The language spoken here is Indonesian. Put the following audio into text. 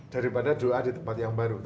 daripada doa di tempat yang baru